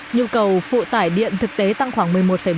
nhu cầu phụ tải điện thực tế tăng khoảng một mươi một bốn